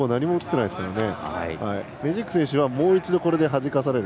メジーク選手はもう一度これではじかされる。